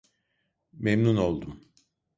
Memnun oldum.